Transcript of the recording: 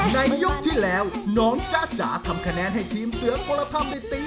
ในยกที่แล้วน้องจ๊ะจ๋าทำคะแนนให้ทีมเสือกลธรรมได้ตี